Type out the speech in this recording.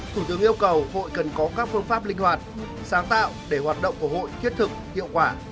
thủ tướng yêu cầu hội cần có các phương pháp linh hoạt sáng tạo để hoạt động của hội thiết thực hiệu quả